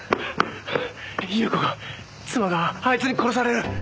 裕子が妻があいつに殺される。